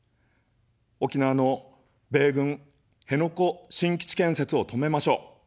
沖縄の米軍辺野古新基地建設を止めましょう。